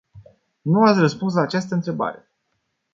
Nu ați răspuns la această întrebare.